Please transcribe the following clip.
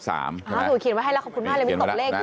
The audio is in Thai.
อ่าถูกเขียนให้แล้วขอบคุณบ้างครับจะมีตรงกับเลขอยู่รี่